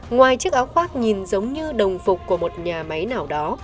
ngoài chiếc áo khoác nhìn giống như đồng phục của một nhà máy nào đó